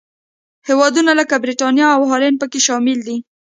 هېوادونه لکه برېټانیا او هالنډ پکې شامل دي.